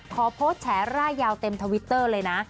ขอโพสต์แฉร่ายยาวเต็มทวิตเตอร์เลยนะ